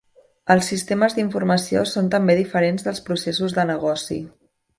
Els sistemes d'informació són també diferents dels processos de negoci.